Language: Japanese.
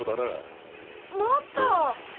マスター！